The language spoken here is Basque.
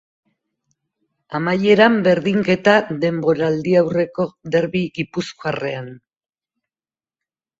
Amaieran, berdinketa denboraldiaurreko derbi gipuzkoarrean.